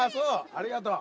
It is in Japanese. ありがとう。